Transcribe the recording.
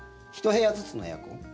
１部屋ずつのエアコン？